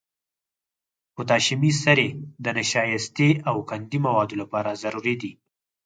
پوتاشیمي سرې د نشایستې او قندي موادو لپاره ضروري دي.